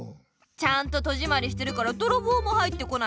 ちゃんと戸じまりしてるからどろぼうも入ってこない。